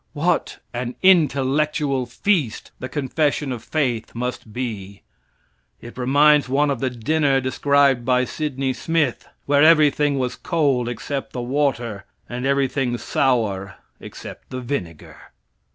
What an intellectual feast the confession of faith must be! It reminds one of the dinner described by Sidney Smith, where everything was cold except the water, and everything sour except the vinegar.